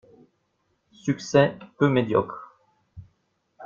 Succès peu médiocre.